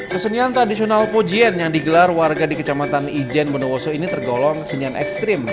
kesenian tradisional pojien yang digelar warga di kecamatan ijen bondowoso ini tergolong kesenian ekstrim